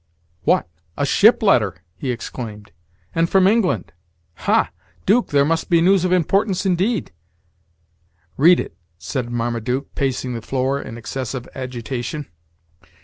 "What! a ship letter!" he exclaimed; "and from England, ha! 'Duke, there must be news of importance! indeed!" "Read it," said Marmaduke, pacing the floor in excessive agitation.